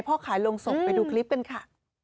พ่อขายลงศพไปดูคลิปกันค่ะ